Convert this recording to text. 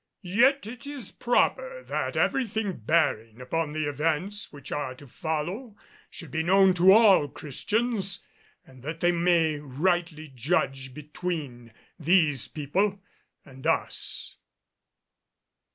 Yet it is proper that everything bearing upon the events which are to follow should be known to all Christians, that they may rightly judge between these people and us.